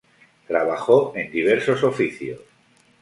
Trabajó en diversos oficios.